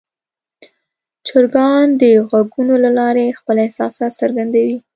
چرګان د غږونو له لارې خپل احساسات څرګندوي.